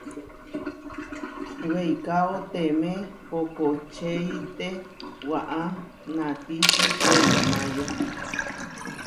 Weikáo temé kokočeite waʼá natiči Puéblo Máyo.